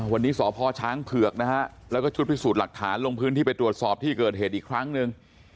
วันนี้สพช้างเผือกนะฮะแล้วก็ชุดพิสูจน์หลักฐานลงพื้นที่ไปตรวจสอบที่เกิดเหตุอีกครั้งหนึ่ง